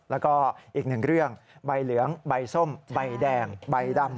แล้วก็อีกหนึ่งเรื่องใบเหลืองใบส้มใบแดงใบดำ